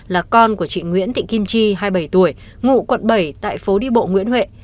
là con của chị nguyễn thị kim chi hai mươi bảy tuổi ngụ quận bảy tại phố đi bộ nguyễn huệ